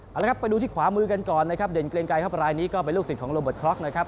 เอาละครับไปดูที่ขวามือกันก่อนนะครับเด่นเกรงไกรครับรายนี้ก็เป็นลูกศิษย์โรเบิร์ตคล็อกนะครับ